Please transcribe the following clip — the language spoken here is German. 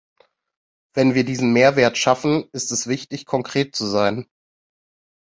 Wenn wir diesen Mehrwert schaffen, ist es wichtig, konkret zu sein.